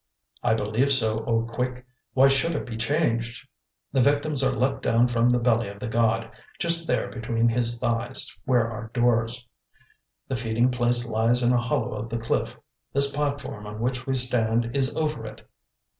"I believe so, O Quick; why should it be changed? The victims are let down from the belly of the god, just there between his thighs where are doors. The feeding place lies in a hollow of the cliff; this platform on which we stand is over it.